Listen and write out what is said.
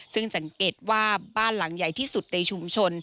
ซึ่งสังเกตว่าบ้านหลังใหญ่ที่สุดในชุมชน